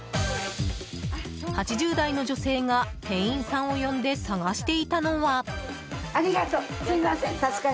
８０代の女性が店員さんを呼んで探していたのは。